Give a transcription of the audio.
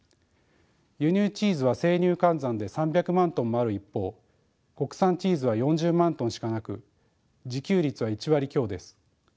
輸入チーズは生乳換算で３００万ｔもある一方国産チーズは４０万ｔしかなく自給率は１割強です。